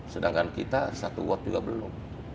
sedangkan kita satu watt juga belum